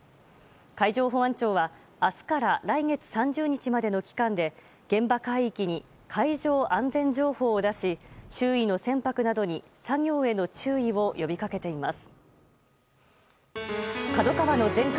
海上保安庁は明日から来月３０日までの期間で現場海域に海上安全情報を出し周囲の船舶などに作業への注意を呼び掛けています。